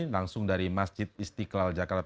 langsung dari masjid istiqlal jakarta